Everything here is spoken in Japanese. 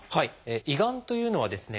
胃がんというのはですね